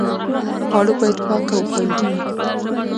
خواړه باید پاک او خوندي وي.